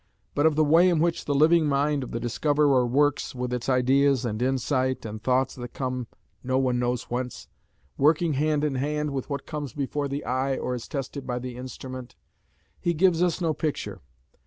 But of the way in which the living mind of the discoverer works, with its ideas and insight, and thoughts that come no one knows whence, working hand in hand with what comes before the eye or is tested by the instrument, he gives us no picture.